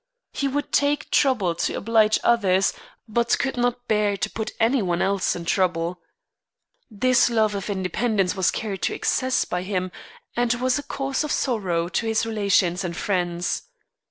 He would take trouble to oblige others, but could not bear to put any one else to trouble. This love of independence was carried to excess by him, and was a cause of sorrow to his relations and friends.